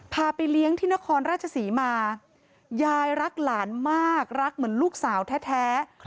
พาไปเลี้ยงที่นครราชศรีมายายรักหลานมากรักเหมือนลูกสาวแท้